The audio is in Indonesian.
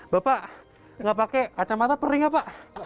bapak tidak pakai kacamata perih nggak pak